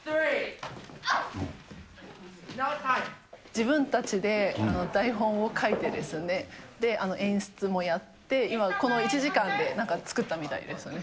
自分たちで台本を書いて、演出もやって、今、この１時間でなんか作ったみたいですね。